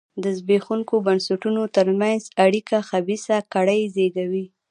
د زبېښونکو بنسټونو ترمنځ اړیکه خبیثه کړۍ زېږوي.